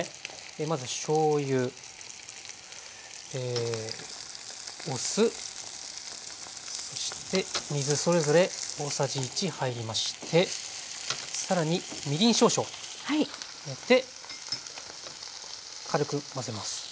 まずしょうゆお酢そして水それぞれ大さじ１入りましてさらにみりん少々入れて軽く混ぜます。